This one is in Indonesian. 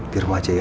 di rumah aja ya